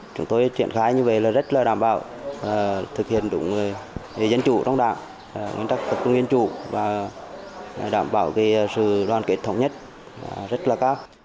chúng tôi triển khai như vậy là rất là đảm bảo thực hiện đúng dân chủ trong đảng nguyên tắc tập trung nguyên chủ và đảm bảo sự đoàn kết thống nhất rất là cao